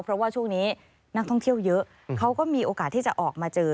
เพราะว่าช่วงนี้นักท่องเที่ยวเยอะเขาก็มีโอกาสที่จะออกมาเจอ